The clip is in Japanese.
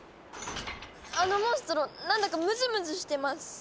あのモンストロ何だかムズムズしてます。